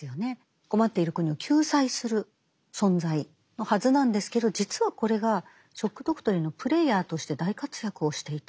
困っている国を救済する存在のはずなんですけど実はこれが「ショック・ドクトリン」のプレイヤーとして大活躍をしていた。